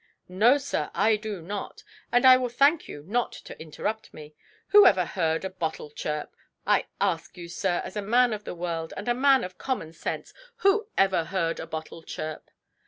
"No, sir, I do not, and I will thank you not to interrupt me. Who ever heard a bottle chirp? I ask you, sir, as a man of the world, and a man of common sense, who ever heard a bottle chirp?